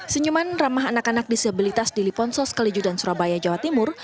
senyuman ramah anak anak disabilitas di liponsos kalijudan surabaya jawa timur